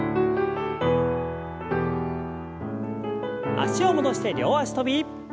脚を戻して両脚跳び。